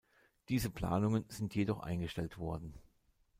Diese Planungen sind jedoch eingestellt worden.